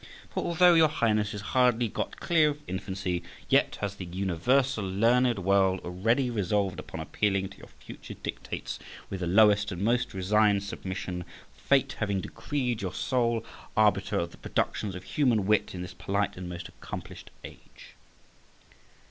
For although your Highness is hardly got clear of infancy, yet has the universal learned world already resolved upon appealing to your future dictates with the lowest and most resigned submission, fate having decreed you sole arbiter of the productions of human wit in this polite and most accomplished age.